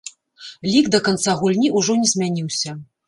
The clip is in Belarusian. Лік да канца гульні ўжо не змяніўся.